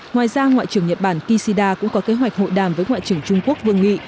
ngoài ra ngoại trưởng nhật bản kishida cũng có kế hoạch hội đàm với ngoại trưởng trung quốc vương nghị